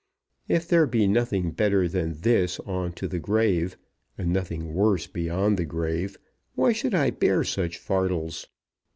If there be nothing better than this on to the grave, and nothing worse beyond the grave, why should I bear such fardels?